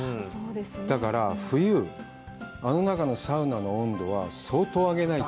だから、冬、あの中のサウナの温度は相当上げないと。